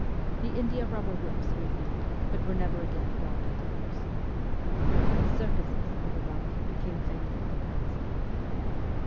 The india rubber whips remained, but were never again brought into use. The circuses and the like became things of the past.